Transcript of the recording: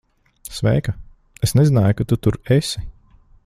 Sveika. Es nezināju, ka tu tur esi.